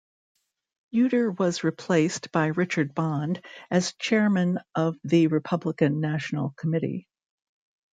Yeutter was replaced by Richard Bond as Chairman of the Republican National Committee.